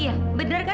iya bener kan